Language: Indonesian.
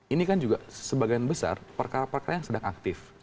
ini kan juga sebagian besar perkara perkara yang sedang aktif